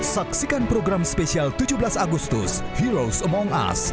saksikan program spesial tujuh belas agustus heroes among us